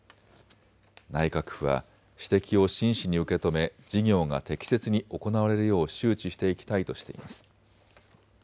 内閣府は指摘を真摯に受け止め事業が適切に行われるよう周知していきたいとしています。